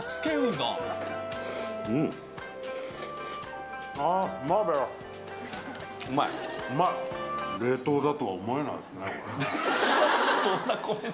どんなコメント。